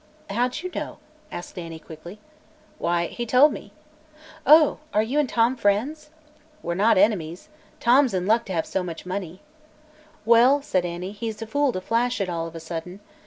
"How'd you know?" asked Annie quickly. "Why, he told me." "Oh; are you an' Tom friends?" "We're not enemies. Tom's in luck to have so much money." "Wall," said Annie, "he's a fool to flash it all of a sudden.